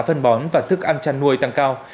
phân bón và thức ăn chăn nuôi tăng cao